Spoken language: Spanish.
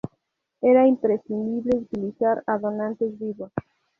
Era imprescindible utilizar a donantes vivos.